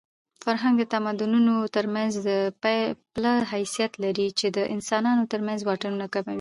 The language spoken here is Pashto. فرهنګ د تمدنونو ترمنځ د پله حیثیت لري چې د انسانانو ترمنځ واټنونه کموي.